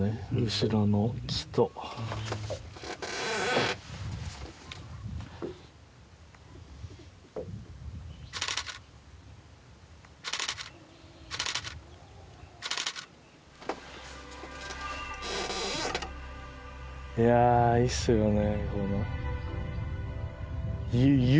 後ろの木といやいいっすよね